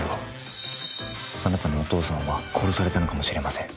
あなたのお父さんは殺されたのかもしれません。